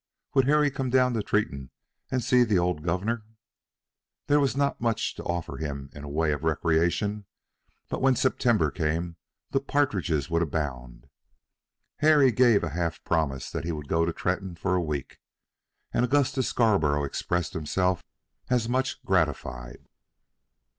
Would Harry come down to Tretton and see the old governor? There was not much to offer him in the way of recreation, but when September came the partridges would abound. Harry gave a half promise that he would go to Tretton for a week, and Augustus Scarborough expressed himself as much gratified.